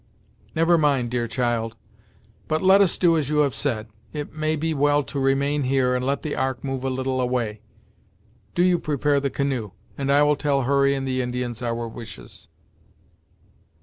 "Never mind, dear child, but let us do as you have said. It may be well to remain here, and let the Ark move a little away. Do you prepare the canoe, and I will tell Hurry and the Indians our wishes."